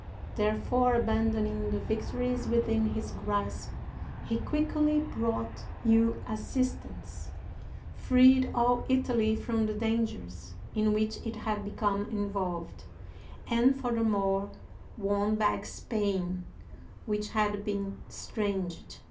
Therefore abandoning the victories within his grasp he quickly brought you assistance, freed all Italy from the dangers in which it had become in volved, and furthermore won back Spain which had been estranged.